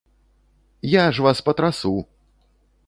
Я ж вас патрасу!